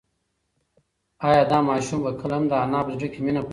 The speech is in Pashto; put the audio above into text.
ایا دا ماشوم به کله هم د انا په زړه کې مینه پیدا کړي؟